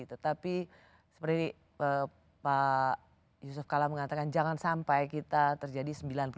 tetapi seperti pak yusuf kala mengatakan jangan sampai kita terjadi sembilan puluh tujuh